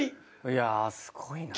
いやすごいな。